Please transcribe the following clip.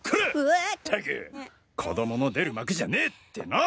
ったく子供の出る幕じゃねっての。